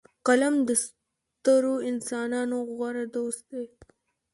قلم د سترو انسانانو غوره دوست دی